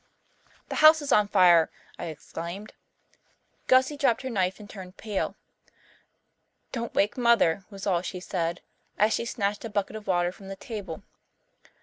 "The house is on fire," I exclaimed. Gussie dropped her knife and turned pale. "Don't wake Mother," was all she said, as she snatched a bucket of water from the table.